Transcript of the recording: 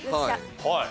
はい。